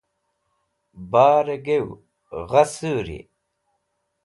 Barẽ gew ghasũri.